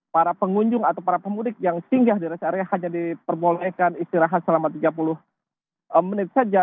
para pengunjung atau para pemudik yang singgah di rest area hanya diperbolehkan istirahat selama tiga puluh menit saja